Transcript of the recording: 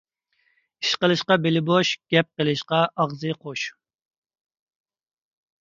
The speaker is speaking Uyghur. ئىش قىلىشقا بېلى بوش، گەپ قىلىشقا ئاغزى قوش.